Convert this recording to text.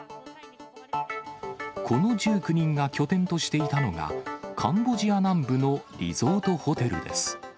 この１９人が拠点としていたのが、カンボジア南部のリゾートホテル